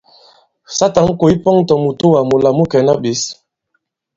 Sa tǎn kǒs pɔn tɔ̀ mùtoà mūla mu kɛ̀na ɓě !